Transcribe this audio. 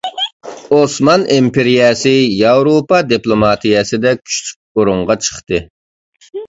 ئوسمان ئىمپېرىيەسى ياۋروپا دىپلوماتىيەسىدە كۈچلۈك ئورۇنغا چىقتى.